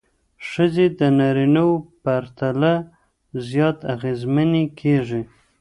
ښځې د نارینه وو پرتله زیات اغېزمنې کېږي.